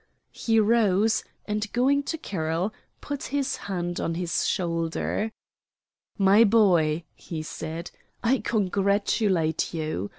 He rose, and going to Carroll, put his hand on his shoulder. "My boy," he said, "I congratulate you.